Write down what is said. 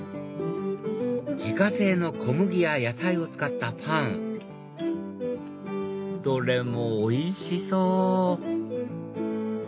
自家製の小麦や野菜を使ったパンどれもおいしそう！